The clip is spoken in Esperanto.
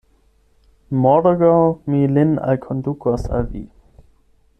Morgaŭ mi lin alkondukos al vi.